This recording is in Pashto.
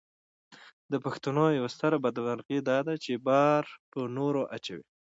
د پښتنو یوه ستره بدمرغي داده چې بار پر نورو اچوي.